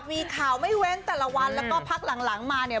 มีข่าวไม่เว้นแต่ละวันแล้วก็พักหลังหลังมาเนี่ย